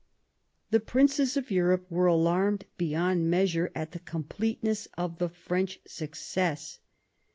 The princes of Europe were alarmed beyond measure at the completeness of the French success.